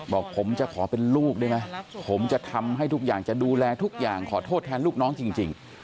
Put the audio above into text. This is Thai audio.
บอกผมจะขอเป็นลูกได้ไหมผมจะทำให้ทุกอย่างจะดูแลทุกอย่างขอโทษแทนลูกน้องจริง